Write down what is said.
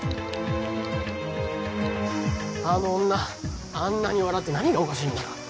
あの女あんなに笑って何がおかしいんだか